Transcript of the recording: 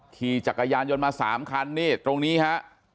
ขี่จักรยานยนต์มา๓คันนี่ตรงนี้ฮะ